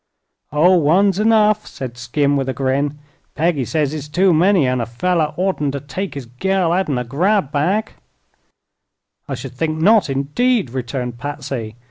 "Oh, one's enough," said Skim, with a grin. "Peggy says it's too many, an' a feller oughtn't to take his gal out'n a grab bag." "I should think not, indeed," returned Patsy.